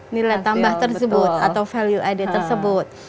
nilai tambah tersebut atau value added tersebut